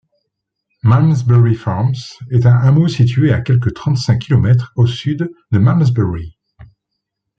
Malmesbury Farms est un hameau situé à quelque trente-cinq kilomètres au sud de Malmesbury.